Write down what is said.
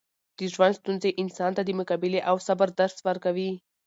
د ژوند ستونزې انسان ته د مقابلې او صبر درس ورکوي.